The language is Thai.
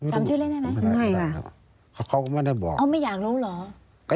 จำชื่อเล่นได้ไหมไม่ค่ะเพราะเขาก็ไม่ได้บอกอ๋อไม่อยากรู้เหรอ